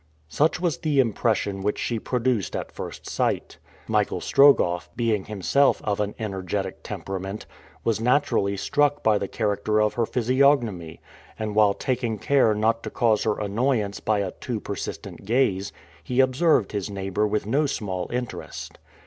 Such was the impression which she produced at first sight. Michael Strogoff, being himself of an energetic temperament, was naturally struck by the character of her physiognomy, and, while taking care not to cause her annoyance by a too persistent gaze, he observed his neighbor with no small interest.